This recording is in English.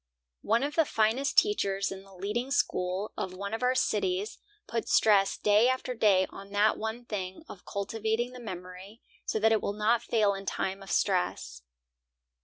One of the finest teachers in the leading school of one of our cities puts stress day after day on that one thing of cultivating the memory so that it will not fail in time of stress.